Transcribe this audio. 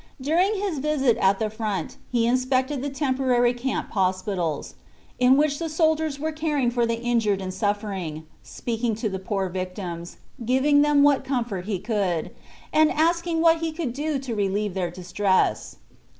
During his visit at the front he inspected the temporary camp hospitals, in which the soldiers were caring for the injured and suffering, speaking to the poor victims, giving them what comfort he could, and asking what he could do to relieve their distress.